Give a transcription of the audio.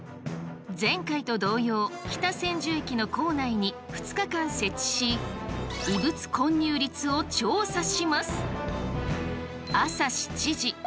前回と同様北千住駅の構内に２日間設置し異物混入率を調査します。